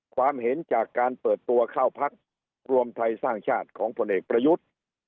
ความเห็นจากการเปิดตัวเข้าพักรวมไทยสร้างชาติของผลเอกประยุทธ์